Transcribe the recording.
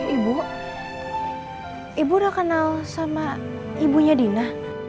ibu ibu udah kenal sama ibunya dina